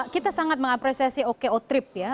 kita sangat mengapresiasi oko trip ya